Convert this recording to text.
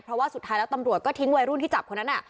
เพราะว่าสุดท้ายแล้วตำรวจก็ทิ้งวัยรุ่นที่จับคนนั้น